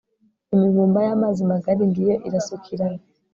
imivumba y'amazi magari, ngiyo irasukiranya